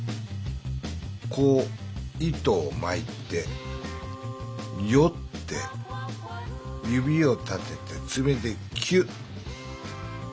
こう糸をまいてよって指を立ててつめでキュッ。